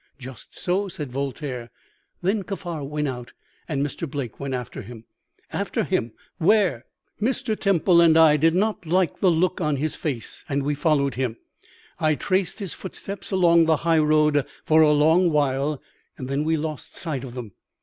"'Just so,' said Voltaire. 'Then Kaffar went out, and Mr. Blake went after him.' "'After him! Where?' "'Mr. Temple and I did not like the look on his face, and we followed him. I traced his footsteps along the high road for a long while, and then we lost sight of them.